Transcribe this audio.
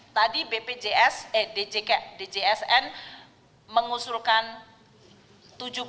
tadi bpjs eh djsn mengusulkan rp tujuh puluh lima